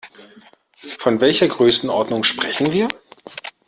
Von welcher Größenordnung sprechen wir?